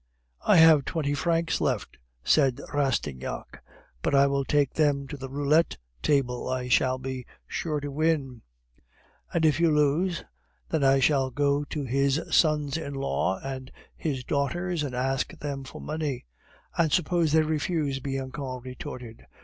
"I have twenty francs left," said Rastignac; "but I will take them to the roulette table, I shall be sure to win." "And if you lose?" "Then I shall go to his sons in law and his daughters and ask them for money." "And suppose they refuse?" Bianchon retorted.